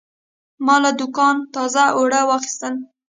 ما له دوکانه تازه اوړه واخیستل.